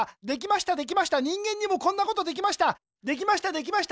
できましたできました人間にもこんなことできました